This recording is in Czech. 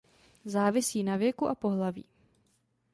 Závisí na věku a pohlaví.